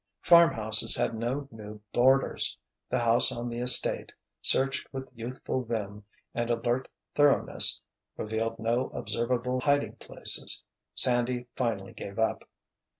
Farmhouses had no new "boarders." The house on the estate, searched with youthful vim and alert thoroughness, revealed no observable hiding places. Sandy finally gave up.